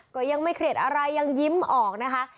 ก็ยังไม่เครียดอะไรยังยิ้มออกนะคะ